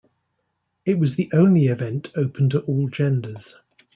It was the only event open to all genders.